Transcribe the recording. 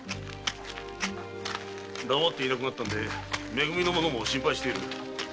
黙っていなくなったんでめ組の者も心配している。